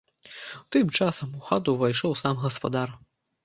Тым часам у хату ўвайшоў сам гаспадар.